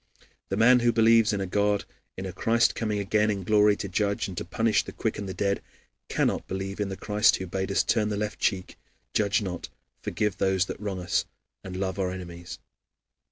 The man who believes in a God, in a Christ coming again in glory to judge and to punish the quick and the dead, cannot believe in the Christ who bade us turn the left cheek, judge not, forgive these that wrong us, and love our enemies.